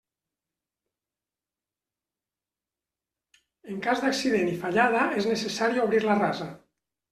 En cas d'accident i fallada, és necessari obrir la rasa.